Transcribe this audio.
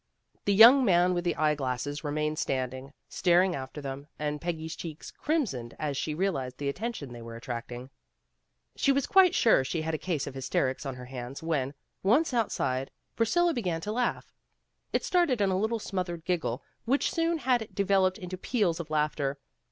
The young man with the eye glasses remained standing, staring after them, and Peggy's cheeks crimsoned as she realized the attention they were attract ing. She was quite sure she had a case of hysterics on her hands when, once outside, Priscilla be gan to laugh. It started in a little smothered giggle which soon had developed into peals of laughter.